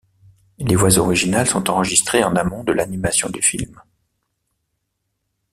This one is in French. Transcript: Les voix originales sont enregistrées en amont de l'animation du film.